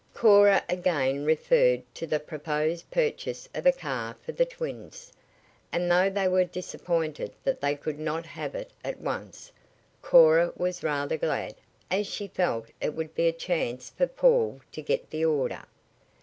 Cora again referred to the proposed purchase of a car for the twins, and though they were disappointed that they could not have it at once, Cora was rather glad, as she felt it would be a chance for Paul to get the order.